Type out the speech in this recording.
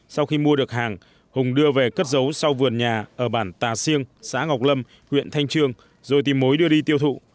sau khi mua được hàng hùng đưa về cất giấu sau vườn nhà ở bản tà siêng xã ngọc lâm huyện thanh trương rồi tìm mối đưa đi tiêu thụ